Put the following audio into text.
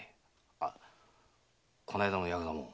あこの間のヤクザ者。